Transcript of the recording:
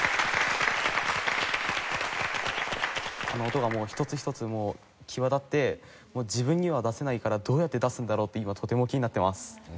音が一つ一つ際立って自分には出せないからどうやって出すんだろうって今とても気になってます。